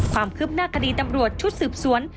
ความคืบหน้าคดีตำรวจชุดสืบสวน